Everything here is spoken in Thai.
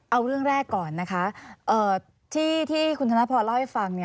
เอาเรื่องแรกก่อนนะคะที่คุณธนพรเล่าให้ฟัง